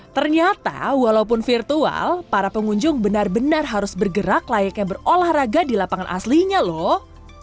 ternyata walaupun virtual para pengunjung benar benar harus bergerak layaknya berolahraga di lapangan aslinya loh